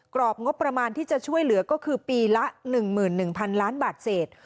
รอบงบประมาณที่จะช่วยเหลือก็คือปีละ๑๑๐๐๐ล้านบาทเศษ